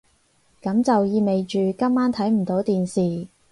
噉就意味住今晚睇唔到電視